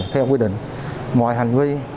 theo quy định mọi hành vi